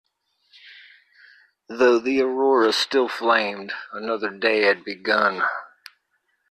Though the aurora still flamed, another day had begun.